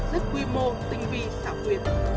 rất quy mô tinh vi xảo quyệt